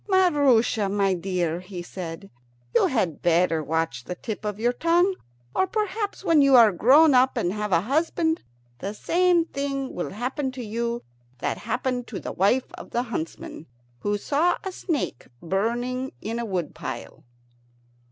"Maroosia, my dear," he said, "you had better watch the tip of your tongue, or perhaps, when you are grown up and have a husband, the same thing will happen to you that happened to the wife of the huntsman who saw a snake in a burning wood pile."